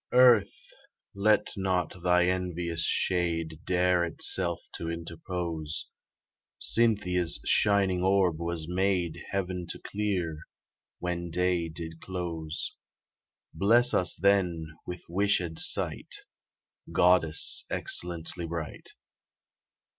Earth, let not thy envious shade Dare itself to interpose; Cynthia's shining orb was made Heav'n to clear, when day did close: Bless us then with wished sight, Goddess excellently bright.